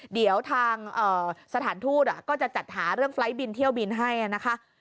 เดี๋ยวทางสถานทูตก็จะจัดหาเรื่องไฟล์ทบินเที่ยวบินให้นะคะ